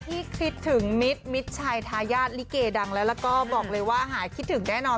คิดถึงมิตรมิตรชายทายาทลิเกดังแล้วแล้วก็บอกเลยว่าหายคิดถึงแน่นอน